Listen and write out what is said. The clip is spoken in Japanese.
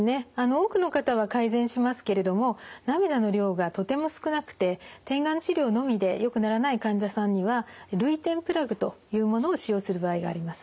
多くの方は改善しますけれども涙の量がとても少なくて点眼治療のみでよくならない患者さんには涙点プラグというものを使用する場合があります。